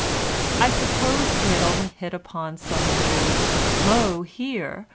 I supposed that he had only hit upon some new "Lo, here!"